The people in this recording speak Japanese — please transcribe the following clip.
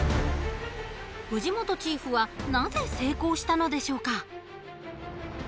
藤本チーフはなぜ成功したのでしょうか？